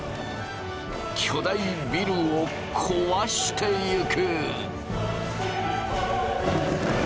巨大ビルをこわしてゆく！